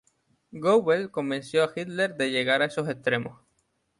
Goebbels convenció a Hitler de llegar a esos extremos.